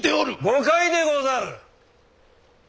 誤解でござる！